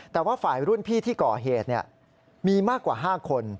แต่ว่าฝ่ายรุ่นพี่ที่ก่อเหตุมีมากกว่า๕คน